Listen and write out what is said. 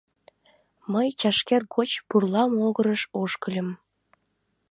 Мый чашкер гоч пурла могырыш ошкыльым.